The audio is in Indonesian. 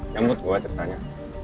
nyambut gue ceritanya